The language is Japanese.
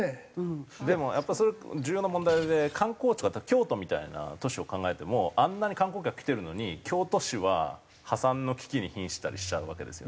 でもやっぱりそれ重要な問題で観光地とか京都みたいな都市を考えてもあんなに観光客来てるのに京都市は破産の危機に瀕してたりしちゃうわけですよね。